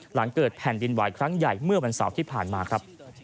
หลังเกิดแผ่นดินไหวครั้งใหญ่เมื่อวันเสาร์ที่ผ่านมาครับ